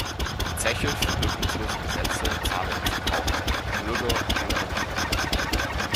Die Zeche für wirkungslose Gesetze zahlen die Verbraucher, die Bürger und die Unternehmen.